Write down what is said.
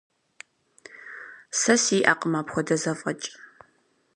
Сэ сиӀэкъым апхуэдэ зэфӀэкӀ.